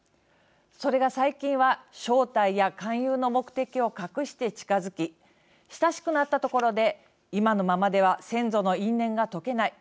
それが、最近は正体や勧誘の目的を隠して近づき親しくなったところで今のままでは先祖の因縁が解けない。